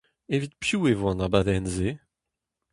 Evit piv e vo an abadenn-se ?